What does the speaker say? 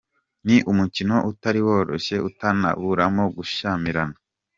Ni umukino utari woroshye utanaburamo gushyamirana.